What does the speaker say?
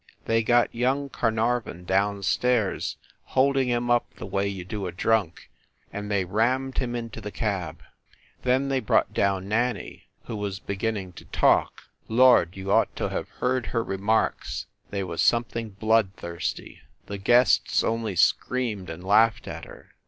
They got young Carnarvon down stairs, holding him up the way you do a drunk, and they rammed him into the cab. Then they brought down Nanny, who was be ginning to talk. Lord, you ought to have heard her remarks they was something bloodthirsty. The guests only screamed and laughed at her.